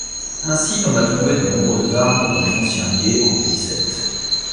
Ainsi l'on a trouvé de nombreuses armes dans les anciens gués en pays Celtes.